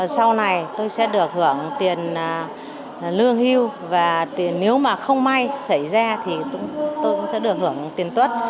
sau này tôi sẽ được hưởng tiền lương hưu và nếu mà không may xảy ra thì tôi cũng sẽ được hưởng tiền tuất